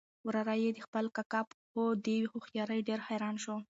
وراره یې د خپل کاکا په دې هوښیارۍ ډېر حیران شو.